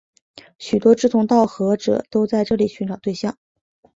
许多志同道合者都在这里寻找对象。